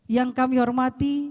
yang kami hormati